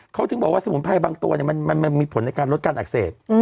เขาถึงบอกว่าสมุนไพรบางตัวมันมีผลในการลดการอักเสบ